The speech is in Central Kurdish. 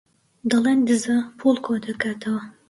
دەڵێن دزە، پووڵ کۆدەکاتەوە.